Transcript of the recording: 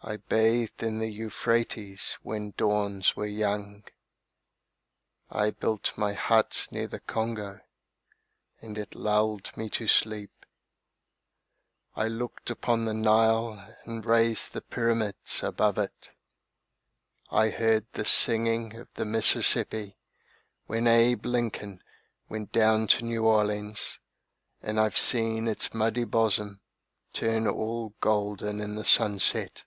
I bathed in the Euphrates when dawns were young. I built my hut near the Congo and it lulled me to sleep. I looked upon the Nile and raised the pyramids above it. I heard the singing of the Mississippi when Abe Lincoln went down to New Orleans, and I've seen its muddy bosom turn all golden in the sunset.